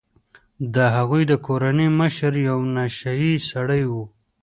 د هغوی د کورنۍ مشر یو نشه يي سړی و.